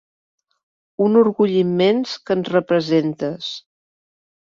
Un orgull immens que ens representes.